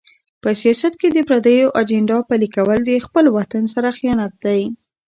په سیاست کې د پردیو ایجنډا پلي کول د خپل وطن سره خیانت دی.